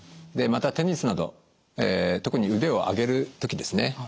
またテニスなど特に腕を上げる時ですね